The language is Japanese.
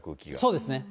そうですね。